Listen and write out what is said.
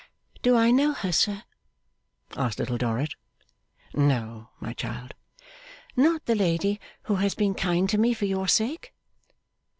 'Do I know her, sir?' asked Little Dorrit. 'No, my child.' 'Not the lady who has been kind to me for your sake?